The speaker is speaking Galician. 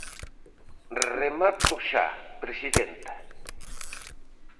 Remato xa, presidenta.